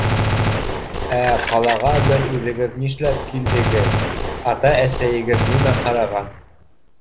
Ә ҡалаға бер үҙегеҙ нишләп килдегеҙ? Ата-әсәйегеҙ нимә ҡараған?